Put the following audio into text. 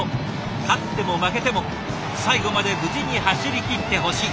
勝っても負けても最後まで無事に走り切ってほしい。